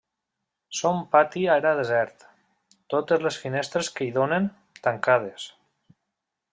Son pati era desert; totes les finestres que hi donen, tancades.